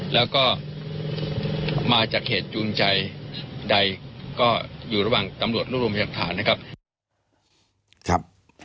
แล้วก็มาจากเหตุจูงใจใดก็อยู่ระหว่างตำรวจรวบรวมพยานฐานนะครับ